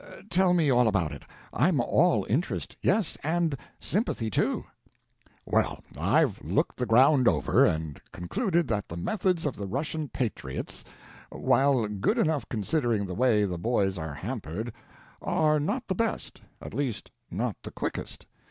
Tell me all about it. I'm all interest—yes, and sympathy, too." "Well, I've looked the ground over, and concluded that the methods of the Russian patriots, while good enough considering the way the boys are hampered, are not the best; at least not the quickest.